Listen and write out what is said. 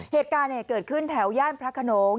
เหตุการณ์เกิดขึ้นแถวย่านพระขนง